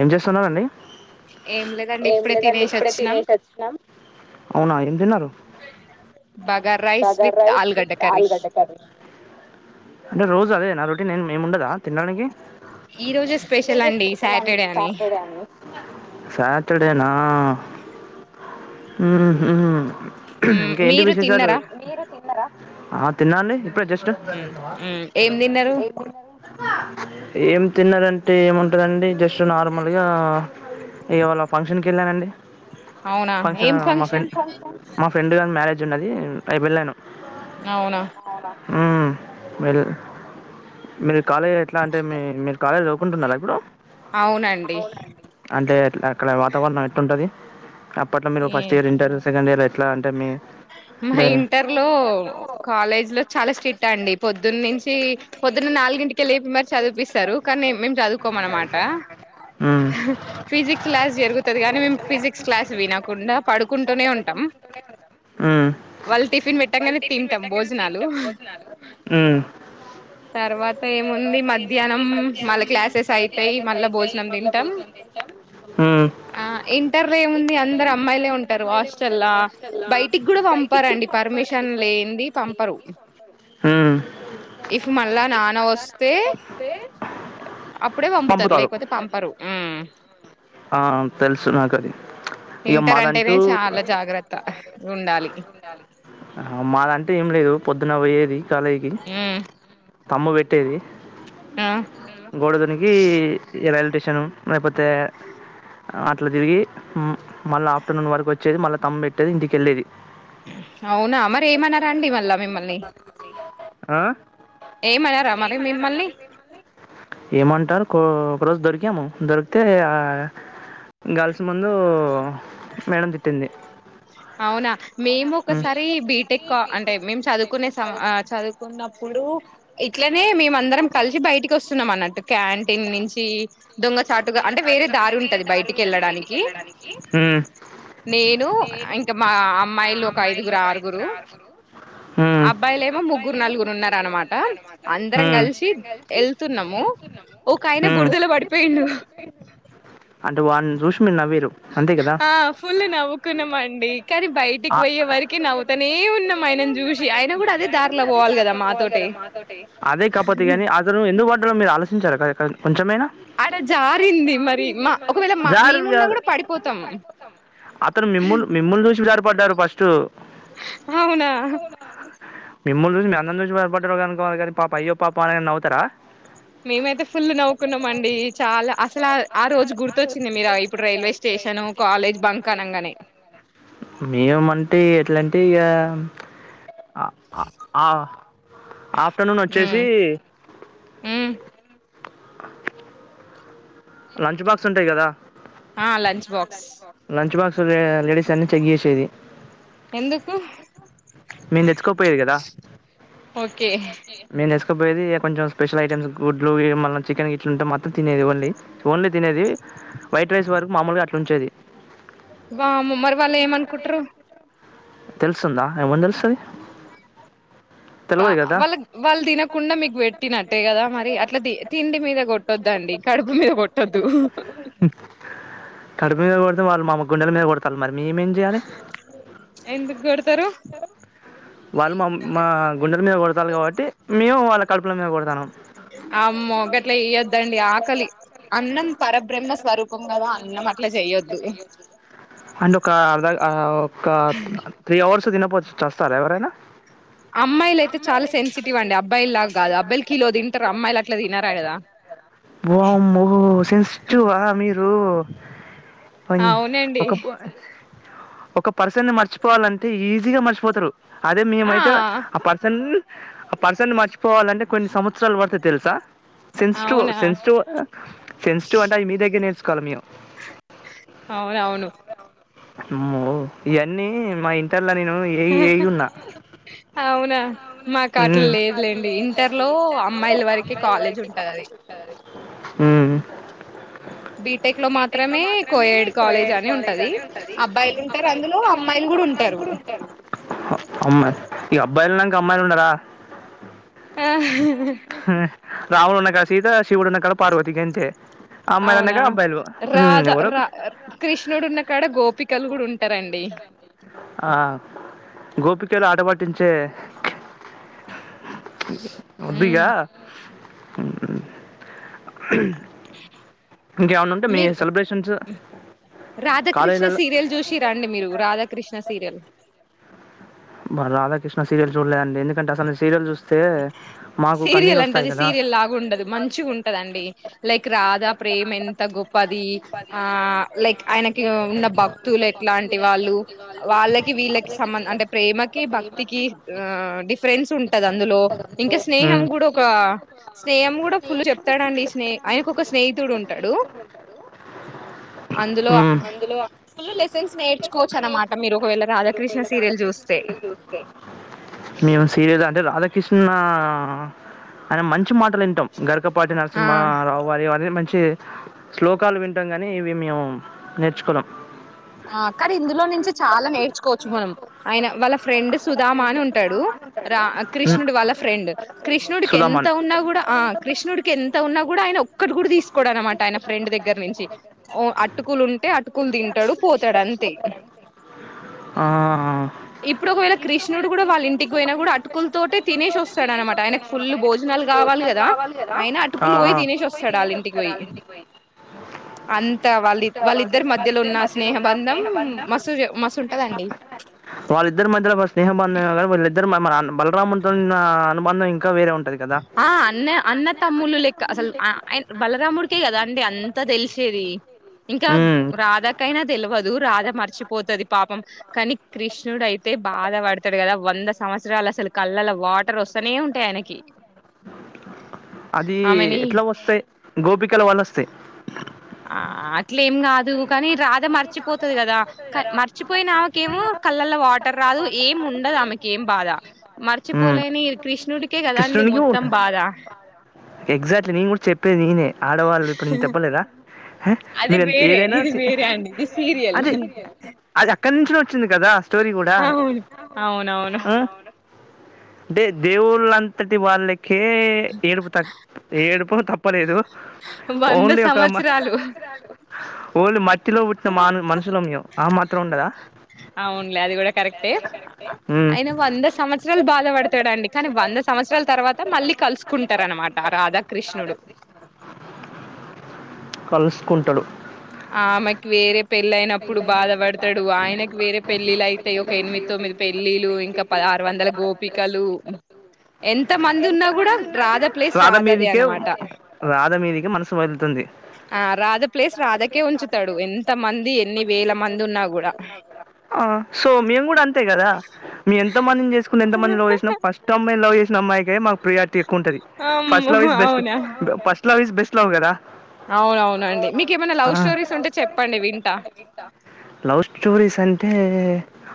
ఏం చేస్తున్నండి ఏం లేదండి ఇప్పుడే తినేసి వచ్చినాం అవునా ఏం తన్నారు బగార్ రైస్ విత్ ఆలుగడ్డ కర్రీ అంటే రోజు అదేనా రొటీన్ ఏం ఉండదా తినడానికి ఈ రోజే స్పెషల్ అండి సాటర్డే అని ఫరద కానీ సాటర్డేనా హు హ్మ్ మ్ ఇంకేంటి మీరు విశేషాలు తిన్నారా ఆ తిన్నాండి ఇప్పుడే జస్ట్ స్ట్ ఏం తిన్నారు ఏం తిన్నారంటే ఏముంటదండి జస్ట్ నార్మల్గా ఇవాళ ఫంక్షన్కి వెళ్ళానండి అవునా ఫంక్షన్ ఏం మా ఫ్రెం ఫంక్షన్ మా ఫ్రెండ్ కానీ మ్యారేజ్ జున్నది అడ్క్ వెళ్ళాను అవునా హ్మ్ వెళ్ళ మీర్ కాలేజ్ ఎట్లా అంటే మీ మీరు కాలేజ్ చదువుకుంటున్నారా ఇప్పుడు అవునండి టే అక్కడ వాతావరణం ఎట్టుంటది అప్పట్లో మీరు ఏ first year inter second year ఎట్లా అంటే మీ మా అంటే ఇంటర్ లో కాలేజ్ లో చాలా స్ట్రీట్ అండి పొద్దున్న నుంచి పొద్దున్న నాలుగింటి లేపి మరి చదిపిస్తారు కానీ మేము చదువుకోమ అనమాట హ్మ్ ఫిజిక్స్ క్లాస్ జరుగుతుది కానీ మేము ఫిజిక్స్ క్లాస్ వినకుండా పడుకుంటూనే ఉంటాం హ్మ్ వాళ్ళు టిఫిన్ పెట్టంగానే తింటాం భోజనాలు హ్మ్ తర్వాత ఏముంది ఏముంది మధ్యాహ్నం మళ్ళ మధ్యానం క్లాసెస్ మళ అయితాయి క్లాసెస్ మళ్ళా అయితాయి భోజనం మళ్ళ తింటాం భోజంనం తింటాం ఆ ఇంటర్ లో ఏముంది అందరు మ్ అమ్మాయిలే అందరూ ఉంటారు అమ్మాయి ఉంట హాస్టల్లా హస్ట బయటికి కూడా పంపరంండి పర్మిషన్ లేంది పంపరు హ్మ్ ఇఫ్ మళ్ళా నాన్న వస్తే అప్పుడే పంపుతారు లేకపోతే పంపరు మ్మ్ ఆ తెలుసు నాకు అది ఇక ఇంటర్ అంటేనే మాదంటూ చాలా జాగ్రత్త ఉండాలి ఆ మాదంటే ఏం లేదు పొ పొద్దున వొయ్యేది చాలేగి మ్మ్ తంబ్ పెట్టేది ఆ గోడ దూనికి రైల్ టేష్ చానం లేపోతే అట్లా తిరిగి మళ్ళ ఆఫ్టర్నూన్ వరకు వచ్చేది మళ్ళా తంబ్ పెట్టేది ఇంటికెళ్ళేది అవునా మరి ఏమనరా అండి వాళ్ళా మిమ్మల్ని ఆ ఏం అనరా మరి మిమ్మల్ ఏం అంటారు కో ఒకరోజు దొరికాము దొరికితే ఆ గర్ల్స్ ముందు మేడం తిట్టింది అవునా మేం ఒకసారి బీ టెక్కా అంటే మేము చదువుకునే సం ఆ చదువుకున్న చూడు ఇ ట్లనే మేం అందరం కలిసి బయటికి వస్తున్నాం అన్నట్ క్యాంటీన్ నించి అభద్ంగా చాటుగా అంటే వేరే దారు ఉంటది బయటికి వెళ్ళడానికి వెళ్ళడానికి నేను ఇంకా మా అమ్మాయిలు ఒక ఐదుగురు ఆరుగురు హ్మ్. అబ్బాయిలు ఏమో ముగ్గురు నలుగురు ఉన్నార అనమాట అందరం హ్మ్. కలిసి వెళ్తున్నాము ఒక ఆయన హ్మ్. బురదలో పడిపోయి వాళని చూసిమన్న మీరు అంతే కదా! ఆ ఫుల్ నవ్వుకున్నామ అండి కానీ బయటికి ఆ! పోయే వరకి నవ్వుతనే ఉన్నాం ఆయనను చూసి ఆయన కూడా అదే దారిలో పోవాలి కదా మాతోట అదే కాపోతే గాని కొంచెమేనా అలా జారింది మరి మా ఒకవేళ మా జారుడు మేమున్నా కాదు కూడా పడిపోతాం అతను మిమ్ముల్లు మిమ్ముల్ని చూసి వి జారిపడ్డారు ఫస్ట్ అవునా! మిమ్మని చూసి మీ అందరి నుంచి బయపడ్డారు కనుకోవాల కానీ పాప అయ్య పాపునై అవుతా మేమైతే ఫుల్ నవ్వుకున్నామండి చాలా అసలా ఆ అ రోజు గుర్తొచ్చింది మీరు ఇప్పుడు రైల్వే గుర్తప్పు స్టేషను, రైల్వేటషాల కాలేజ్ బంక్ అనంగానే. మేంటే ఏంటికా ఆఫ్టర్నూన్ వచ్చేసి హ్మ్. హ్మ్. ఆ లంచ్ బాక్స్ ఉంటాయి కదా ఆ lunch box lunch box ladies అన్ని చెక్ చేసేది ఎందుకు? మీన్ తెచ్చకో పోయిరు కదా ఓకే. మీన్చ్చకో కపోయి ఇక కొంచం స్పెషల్ ఐటమ్స్ గుడ్లు మళ్నం చికెన్ ఇట్లు ఉంటే మాత్రం తినది ఓన్లీ ఓన్లీ తినేది వైట్ రైస్ వరకు మామూలుగా అట్లా ఉంచేది వా ముమ్మరి వాళ్ళ ఏమనుకుటు తెల్సుందా ఇమంది తెలుసది వాళ్ళ వాళ్ళు తినకుండా మీకు పెట్టినట్టే కదా మరి అట్లా తిండి మీద కొట్ పట్టొద్దండి కడుపు మీద కొట్టొద్దు డుతే వాళు మా గుండె మీదకోతారు మరి మేమేం చేయాలి ఎందుకు కొడతారు వాళ్ళు మా మా గుండెల మీద కొడతాలి కాబట్టి మేము వాళ్ళ కడుపుక కొడతాను ఆమ్మో గట్ల చే అండి ఆకలి అన్నం పరబ్ర [unintelligible] స్వరూపం కదా అన్నం అట్లా చెయొద్దు ఓ కా త్రి హౌర్స్ తిన పోతే చస్తారా ఎరైనా అమ్మాయిలు అయితే చాలా సెన్సిటివ్ అండి అబ్బాయిలు లాగా కాదు అబ్బాయిలు కిలో తింటారు అమ్మాయిలు అట్లా తినరా కదా వామ్మో సెన్సిటివ్ ఆ మీర్ అబ్బో అవునండి కొ ఒక ఒక పర్సన్ని ని మర్చిపోవాలంటే ఈజీగా మర్చిపోతారు అదే ఆ మేమైతే ఆ పర్సన్ ఆ పర్సన్ మర్చిపోవాలంటే కొన్ని సంవత్సరాలు పడతే తెలుసా సెన్స్టివ్ అవునా సెన్స్టివ్ సెస్టివ్ అంటా మీదగ న కలిమో అవునవును ఇవన్నీ మా ఇంట నేను ఉన్నా అవునా మాకు అ [unintelligible] అట్లా [unintelligible] లేదులేండి ఇంటర్ లో అమ్మాయిల వరకే కాలేజ్ ఉంటది అది [unintelligible] అ బీటెక్ లో మాత్రమే కోఏడ్ కాలేజ్ అని ఉంట అబ్బాయిలు ఉంటారు అందులో అబ్బలు అమ్మాయిలు అమ్మాయి ఉంటారు కూడా ఉబ్ అమ్మాయిలు ఉండరా రాముడున్న కాడ సీత, శివుడున్న కాడ పార్వతి గింతే. అమ్మదనకా రాధా రా కృష్ణుడు ఉన్న కాడ గోపికలు కూడ ఉంటరండి. ఆ! తే వద్దు ఇగా ఇంకేమన్నుంటే మీ మీరు సెలబ్రేషన్స్ రాధాకృష్ణ కాలేజీలల్ల సీరియల్ చూషిర్రా అండి మీరు రాధాకృష్ణ సీరియల్ బరా [inaudible] కృష్ణ సీరియల్ చూడలే అండి ఎందు టే అంటే అసలు సీరియల్ చూస్ సీరియల్ అంటే అది సీరియల్ లాగుండదు మంచిగుంటదండి లైక్ రాధా ప్రేమ ఎంత గొప్పది ఆ లైక్ ఆయనకి ఉన్న భక్తులు ఎట్లాంటి వాళ్ళు వాళ్ళకి వీళ్ళకి సంబంధ అంటే ప్రేమ కి భక్తికి ఆ డిఫరెన్స్ ఉంటదా అందులో ఇంకా స్నేహం కూడా ఒక స్నేహం కూడా ఫుల్ చెప్తాడండి స్నే ఆయనకు ఒక స్నేహితుడు ఉంటాడు అందులో ఫుల్ లెసన్స్ నేర్చుకోవచ్చు అనమాట మీరు ఒకవేళ రాధాకృష్ణ సీరియల్ చూస్ మేం సీరియజ్ అంటే రాధ కృష్ణ అనే మంచ్ చి మాటలు వింటాం గరకపాటి ఆ నరసింహారావు వారి వారి మంచి అంటే శ్లోకాలు వింటాం కానీ ఇవి మేము నేర్చుకోలేం. ఆ కానీ ఇందులో నుంచి చాలా నేర్చుకోవచ్చు మనం ఆయన వాళ్ళ ఫ్రెండ్ సుధామా అని ఉంటాడు రా ఉమ్. కృష్ణుడు వాళ్ళ ఫ్రెండ్ కృష్ణుడికి ఎంత సుధామన్ ఉన్నా కూడా ఆ కృష్ణుడికి ఎంత ఉన్నా కూడా ఆయన ఒక్కటి కూడా తీసుకోడ్ అన్నమాట ఆయన ఫ్రెండ్ దగ్గర నుంచి ఓ అటుకులు ఉంటే అటుకులు తింట డు పోతాడు అంతే ఆ, ఇప్పుడు ఒకవేళ కృష్ణుడు కూడా వాళ్ళ ఇంటికి పోయినా కూడా అటుకుల తటే తినేసి వస్తాడు అనమాట. ఆయనకు ఫుల్ భోజనాలు కావాలి కదా, ఆయన ఆ, అటుకులు ఆ. పోయి ఆ. తినేసి వస్తాడు. వాళ్ళ ఇంటికి పోయి అంత వాళ్ళ వాళ్ళిద్దరి మధ్యలో ఉన్న స్నేహ బంధం మస్త్ మస్త్ ఉంటాదండి వాళ్ళిద్దరి మధ్యలో ఒక స్నేహ బంధం గారు వళ్ళద్దరి మనన్నారు బలరాముతో ఉన్నా అనుబధం ఇంకా వేరే ఉంన్ ఆ అన్న అన్న తమ్ములు లెక్క అసలు బలరాముడికే కదా అండి అంత అత్త తెలిసేది ఇంకా ఉమ్ రాదాకైనా తెలియదు బాధ మర్చిపోతుంది పాపం కానీ కృష్ణుడు అయితే బాధ పడతాడు కదా వంద సంవత్సరాలు అసలు కళ్ళల వాటర్ వస్తనే ఉంటాయి ఆయనకి అది ఆమెని ఎట్లా వస్తాయి గోపి కలవాలస్తే ఆ అట్లేం కాదు కానీ రాధ మర్చిపోతుది కదా మర్చిపోయిన ఆమెకేమో కళ్ళల్లో వాటర్ రాదు ఏం ఉండదు ఆమెకేం బాధ ఉమ్ మర్చిపోలేని కృష్ కృష్ణుడికే కదా అండి కృష్ణునికి మొత్తం ఉంట బాధ ఎగ్జాక్ట్లీ నను కూడా చెప్పేది నేనే ఆడవాళ్ళు ఇప్పుడు నేను చెప్పలేదా అది మీరు ఎంత వేరే ఏదైనా ఇది వేరే అండి ఇది సీరియల్ అదే అది కంచం వచ్చింది కదా స్టోరీ కూడా అవును అవునవును ఆ అంటే దేవుళ్ళంతటి వాళ్ళ కే ఏడు బు తాక్ ఏడుపో తప్పలేదు వంద ఓన్లీ ఒక అమ్మా సంవత్సరాలు కోల్ మ మట్టిలో పుట్టిన మాను మనుషులం మేము ఆ మాత్రం ఉండదా అవునులే అది కూడా కరెక్టే ఉమ్ అయిన వంద సంవత్సరాలు బాధపడతాడంండి కానీ వంద సంవత్సరాల తర్వాత మళ్ళీ కలుసుకుంటారునమాట మాట రాధాకృష్ణ కలుసుకుంటాడు ఆ ఆమెకి వేర పెళ్ళ అయినప్పుడు బాధపడతాడు ఆయనకి వేరే పెళ్ళిలు అయితే ఒక ఎనిమిది తొమ్మిది పెళ్లిలు ఇంకా పద ఆరు వందల గోపికలు ఎంత మంది ఉన్నా కూడా రాధ ప్లేస్ రాధ రాధది మీదికే అనమాట రాధ మీదికే మనసు వదులుతుంది ఆ రాధ ప్లేస్ రాధ ఉంచుతాడు ఎంత మంది మంది ఉన్నా కూడా ఆ సో మేము కూడా అంతే కదా మీ ఎంత మందిని చేసుకుని ఎంత మంది లవ్ చేసిన ఫస్ట్ అమ్మాయి లవ్ చేస నమ్మాయి గ మ మాకు ప్రియా ఎక్కువ ఉంటది ఫస్ట్ అమ్మో లవ్ ఇస్ బెస్ట్ ఫస్ట్ కదా అవున అవునండి మీకు ఏమైనా లవ్ స్టోరీస్ ఉంటే చెప్పండి వింట లవ్ స్టోరీస్ అంటే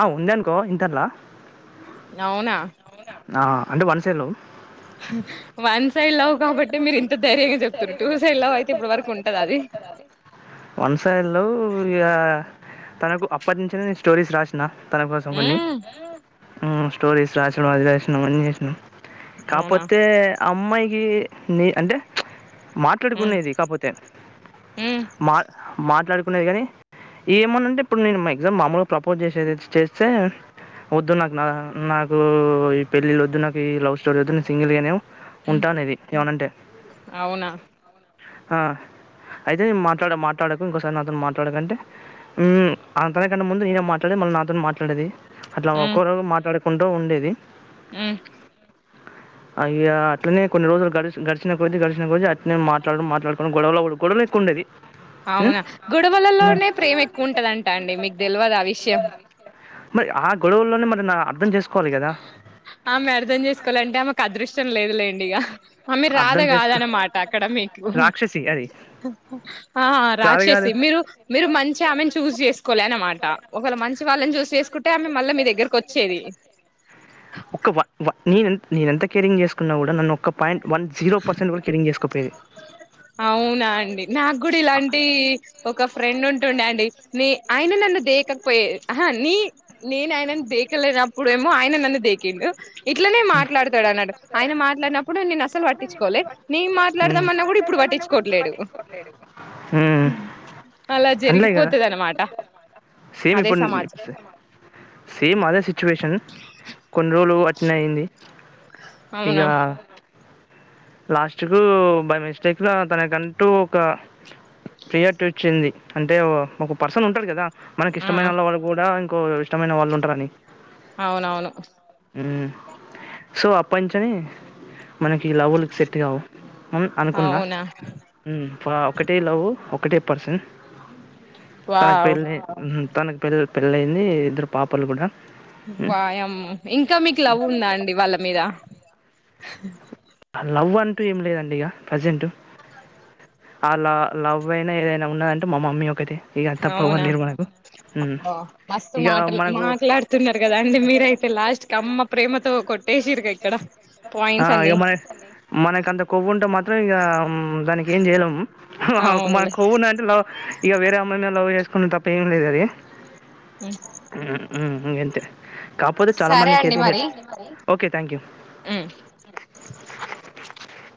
ఆ ఉందినుకో ఇంటారులా అవునా అంటే one side love one side love కాబట్టి మీరు ఇంత ధైర్యంగా చెప్తురు టూ సైడ్ లవ్ అయితే ఇప్పుడు వరకు ఉంటదా అది వన్సై లో సూర్య తనకు అప్పటి నుంచి నేను స్టోరీస్ రాసిన తన కోసమని మ్మ్ స్టోరీస్ రాసడం అది రాసినాం అనీ చేసినాం అవునా కాపోతే అమ్మాయి అంటే మ్మ్ మాట్లాడుకునేది కాకపోతే మ్మ్ మా మాట్లాడు ఉ కానీ ఏమన అంటే ఇప్పుడు నేను మా ఎగ్జామ్ మామూలుగా ప్రపోజ్ చేసేది చేస్తే వద్దు నాకు నా నాకు ఈ పెళ్ళిళ్ళ వద్దు నాకు ఈ లవ్ స్టోరీలు వద్దు నేను సింగిల్గానేవు ఉంటానేది ఏమనంటే అవునా ఆ అయితే మాట్లాడ మాట్లాడకు ఇంకోసారి నాతో మాటల మాట్లాడంటే అ తనకన్నా ముందు నేనే మాట్లాడే మళ్ళీ నాతో మాట్లాడేది అట్లా ఒకక్కరు మాట్లాడు ఉంటూ ఉండేది ఆ అయ అట్లనే కొన్ని రోజులు గచ గడిచిన కొజీ గడిచిన కొజీ అట్నే మాట్లాడు మాట్లాడుకొడం గొడవలు గొడవలు ఎక్కువ ఉండేది అవునా గ గుడవల్ల లోనే ప్రేమ ఎక్కువ ఉంటదంటా అండి మీకు తెలియదు ఆ విషయం మరి ఆ గొడవల్లోనే మరి నా అర్థం చేసుకోవాలి కదా ఆమె అర్థం చేసుకోవాలంటే ఆ మాకు అదృష్టం లేదులేండి ఇక ఆమెరు రాధ అర్థం కాద చేసుకో అనమాట అక్కడ మీకు రాక్షసి అది. ఆ రాదు రాక్షసి మీరు మీరు గాదు. మంచిగా ఆమెను చూస్ చేసుకోవలే అనమాట ఒకళ మంచి వాళ్ళని చూస్త చేసుకుంట అంటే ఆమ్మె మళ్ళా మీ దగ్గరకు వచ్చేది ఒక నెన్ నేను ఎంత కేరింగ్ చేసుకున్నా కూడా నన్ను ఒక్క పాయింట్ వన్ జీరోర్సట్ వల్ కంగేస్ అవునా అండి నాకు కూడా ఇలాంటి ఒక ఫ్రెండ్ ఉంట ఉండేండి న ఆయన నన్ను దేకకపోయహా నీ నేను ఆయన దేకలేనప్పుడేమో ఆయన నన్ను దేకండు ఇట్లనే మాట్లాడతాడు అన్నడు ఆయన మాట్లాడిన ఇప్పుడు నన్న అసలు పట్టించుకోలే నేను నడదామన్నా కూడా ఇప్పుడు పట్టించుకోట్లేడు ఉమ్ అలా అండ్లే అలా కదా జరిగిపోతుది అనమాట సేమ్ ఇప్పుడు సేమ్ అదే సిచువేషన్ కొన్ని రోల్ అట్న్ అయింది ఇగ అవునా లాస్ట్ కు బై మిస్టేక్ గా తనకంటూ ఒక పయర్టీ వచ్చింది అంటే ఒక పర్సన్ ఉంటాడు కదా మనకి ఆ ఇష్టమైన వాళ్ళ గూడా ఎకో ఇష్టమైన వాళ్ళు ఉంటారని అవునవును మ్ సో అప్ ప్పంచని మనకి లవులు సెట్ గావు మ్ అనుకున్నా అవునా మ్ ఇప్పుడు ఒకటి లవ్ ఒకటిే పర్సెన్ తనకు వావ్ పెళ్ళి ఊహు తనకి పెళ్ పెళ్ళయింది ఇద్దరు పాపలు కూడా మ్మ్. వాయమ్మో ఇంకా మీకు లవ్ ఉందా అండి వాళ్ళ మీద ఆ లవ్ అంటూ ఏం లేదండి ఇక ప్రజెంట్ ఆ లవ్ అయినా ఏదైనా ఉన్నదంటే మా మమ్మీ ఒకటి అవునా మస్తు ఇక మాటల్ మనకు మాట్లాడుతున్నారు కదా అంటే మీరయితే లాస్ట్ క అమ్మ ప్రేమతో కొట్టేసిర్గా ఇక్కడ ఆ పాయింట్స్ ఇక అన్ని మన మనకంత కొవ్వు ఉంటే మాత్రం ఇక దానికి ఏం జెయలేం హక్ అవునులే మనకు కొవ్వూనదంటే లవ్ ఇక వేరే అమ్మాయి మీద లవ్ చేసుకునే తప్ప ఏం లేదు అది హ్మ్ హ్మ్ ఇంతే కాకపోతే చాలా సరే మందికి అండి అయితే మరి ఓకే థ్యాంక్ యూ ఉమ్